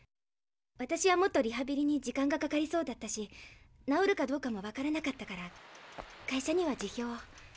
私はもっとリハビリに時間がかかりそうだったし治るかどうかもわからなかったから会社には辞表を。